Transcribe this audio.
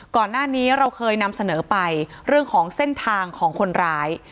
ก่อนหน้านี้เราเคยนำเสนอไปเรื่องของเส้นทางของคนร้าย